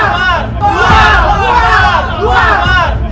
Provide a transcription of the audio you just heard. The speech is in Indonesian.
keluar keluar keluar